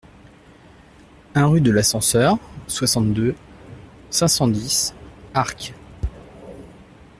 un rue de l'Ascenseur, soixante-deux, cinq cent dix, Arques